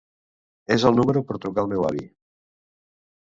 És el número per trucar el meu avi.